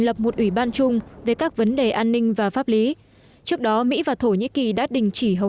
lập một ủy ban chung về các vấn đề an ninh và pháp lý trước đó mỹ và thổ nhĩ kỳ đã đình chỉ hầu